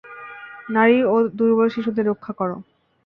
নারী ও দুর্বল শিশুদের রক্ষা কর।